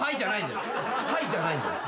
「はい」じゃないんだよ。